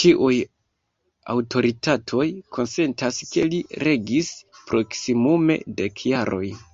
Ĉiuj aŭtoritatoj konsentas ke li regis proksimume dek jarojn.